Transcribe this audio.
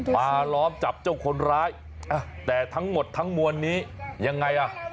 ล้อมจับเจ้าคนร้ายแต่ทั้งหมดทั้งมวลนี้ยังไงอ่ะ